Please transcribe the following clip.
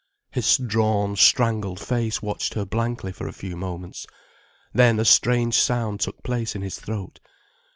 His drawn, strangled face watched her blankly for a few moments, then a strange sound took place in his throat.